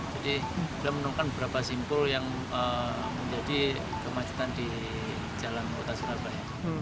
jadi kita menemukan berapa simpul yang menjadi kemacetan di jalan kota surabaya